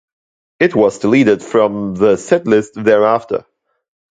It was deleted from the set list thereafter.